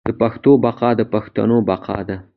د پښتو بقا د پښتنو بقا ده.